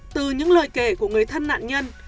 từ những lời kể của người thân nạn nhân